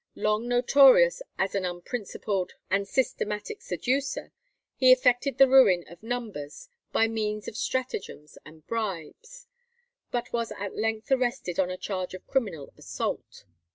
Long notorious as an unprincipled and systematic seducer, he effected the ruin of numbers, by means of stratagems and bribes, but was at length arrested on a charge of criminal assault.